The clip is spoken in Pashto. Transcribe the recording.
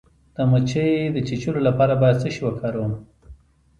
د مچۍ د چیچلو لپاره باید څه شی وکاروم؟